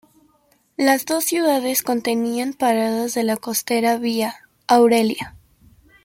Las dos ciudades contenían paradas de la costera vía Aurelia.